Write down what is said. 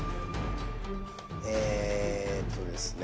えっとですね。